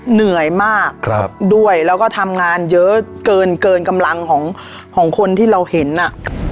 เหนื่อยมากด้วยแล้วก็ทำงานเยอะเกินเกินกำลังของคนที่เราเห็นอ่ะ